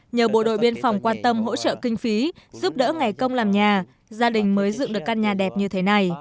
nhờ bộ đội biên phòng quan tâm hỗ trợ kinh phí giúp đỡ ngày công làm nhà gia đình mới dựng được căn nhà đẹp như thế này